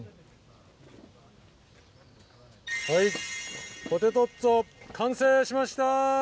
はいポテトッツォ完成しました！